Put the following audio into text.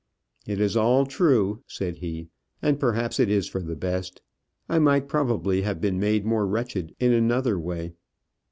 "It is all true," said he; "and perhaps it is for the best. I might probably have been made more wretched in another way."